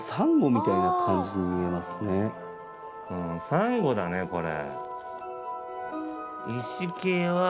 サンゴだねこれ。